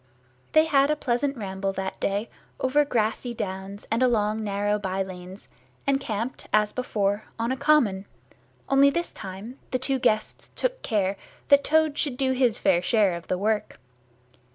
They had a pleasant ramble that day over grassy downs and along narrow by lanes, and camped as before, on a common, only this time the two guests took care that Toad should do his fair share of work.